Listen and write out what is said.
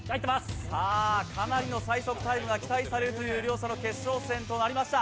かなりの最速タイムが期待される両者の決定戦となりました。